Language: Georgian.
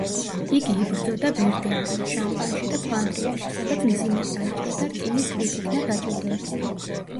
იგი იბრძოდა ვერდენთან, შამპანში და ფლანდრიაში, სადაც მძიმედ დაიჭრა და რკინის ჯვრით იქნა დაჯილდოებული.